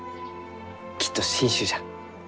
きっと新種じゃ。